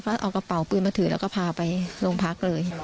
ก็เอากระเป๋าปืนมาถือแล้วก็พาไปโรงพักเลย